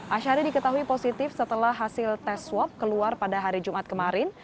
ashari diketahui positif setelah hasil tes swab keluar pada hari jumat kemarin